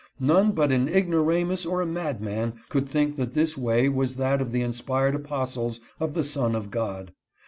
None but an ignoramus or a mad man could think that this way was that of the inspired apostles of the Son of God.